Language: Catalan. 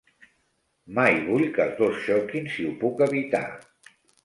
Mai vull que els dos xoquin si ho puc evitar.